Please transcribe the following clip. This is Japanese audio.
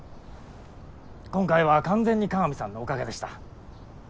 今回は完全に鏡さんのおかげでした。